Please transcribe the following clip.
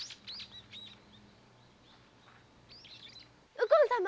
右近様！